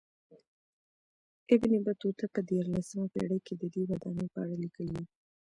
ابن بطوطه په دیارلسمه پېړۍ کې ددې ودانۍ په اړه لیکلي و.